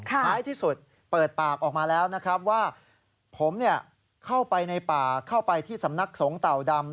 ท้ายที่สุดเปิดปากออกมาแล้วนะครับว่าผมเข้าไปในป่าเข้าไปที่สำนักสงฆ์เต่าดำ